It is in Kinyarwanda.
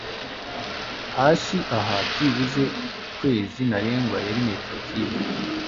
hasi aha byibuze ukwezi - ntarengwa yari metero kibe